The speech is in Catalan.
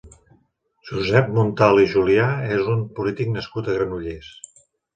Josep Muntal i Julià és un polític nascut a Granollers.